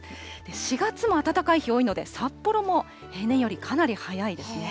４月も暖かい日多いので、札幌も平年よりかなり早いですね。